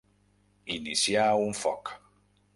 Iniciar un foc.